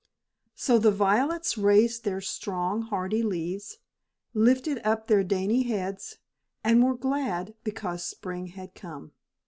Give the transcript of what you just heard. So the violets raised their strong, hardy leaves, lifted up their dainty heads, and were glad because spring had come.